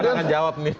ada yang menjawab nih